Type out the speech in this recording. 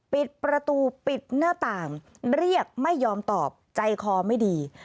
ปิดประตูปิดหน้าต่างเรียกไม่ยอมตอบใจคอไม่ดี